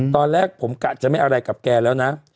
ตอนแรกผมกะจะไม่อะไรกับแกแล้วนะ